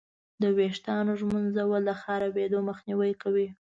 د ویښتانو ږمنځول د خرابېدو مخنیوی کوي.